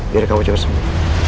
biar kamu cepat sembuh